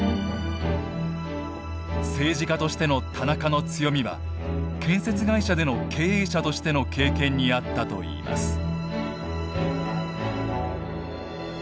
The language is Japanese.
政治家としての田中の強みは建設会社での経営者としての経験にあったといいます。